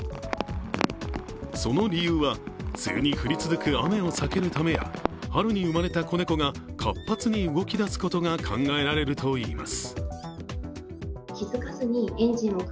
その理由は、梅雨に降り続く雨を避けるためや春に生まれた子猫が、活発に動きだすことが考えられるといいます。